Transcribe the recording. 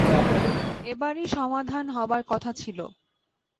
এবারই সমাধান হবার কথা ছিলো।